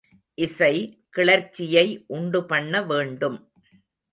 இசை, கிளர்ச்சியை உண்டு பண்ணவேண்டும்.